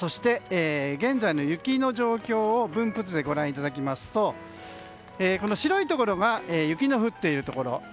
現在の雪の状況を分布図でご覧いただきますと白いところが雪の降っているところ。